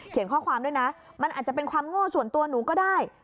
ข้อความด้วยนะมันอาจจะเป็นความโง่ส่วนตัวหนูก็ได้